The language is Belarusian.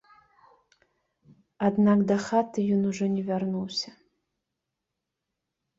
Аднак дахаты ён ужо не вярнуўся.